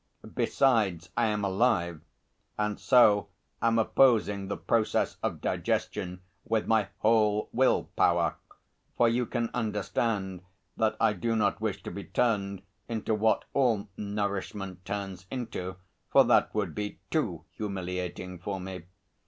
Besides, I am alive, and so am opposing the process of digestion with my whole will power; for you can understand that I do not wish to be turned into what all nourishment turns into, for that would be too humiliating for me.